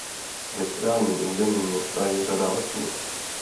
Ve správním území města je řada lesů.